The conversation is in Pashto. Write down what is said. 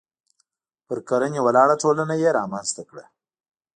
پر کرنې ولاړه ټولنه یې رامنځته کړه.